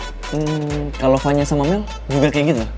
ehm kalo fanya sama mel juga kayak gitu